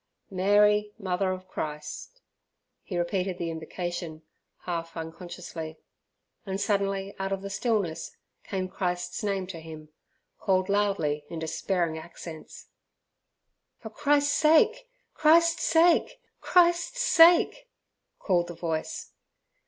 "Mary! Mother of Christ!" He repeated the invocation, half unconsciously. And suddenly, out of the stillness, came Christ's name to him called loudly in despairing accents. "For Christ's sake! Christ's sake! Christ's sake!" called the voice.